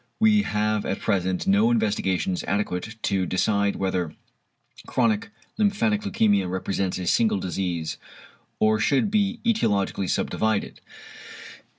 We have at present no investigations adequate to decide whether chronic lymphatic leukæmia represents a single disease, or should be etiologically subdivided.